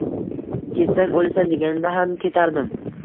Ketsang o’lasan deganida ham ketardim